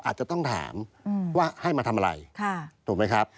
อาจจะต้องถามว่าให้มาทำอะไรถูกไหมครับ